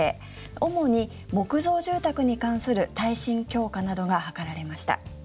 主に木造住宅に関する耐震強化などが図られました。